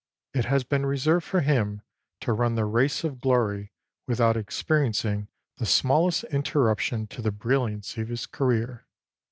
It has been reserved for him to run the race of glory without experiencing the smallest interruption to the brilliancy of his career.